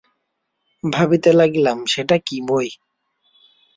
ভাবিতে লাগিলাম, সেটা কী বই।